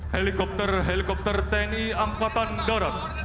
helikopter helikopter tni angkatan darat